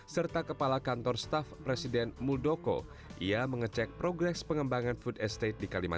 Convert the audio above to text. serta kepala kantor staf presiden muldoko ia mengecek progres pengembangan food estate di kalimantan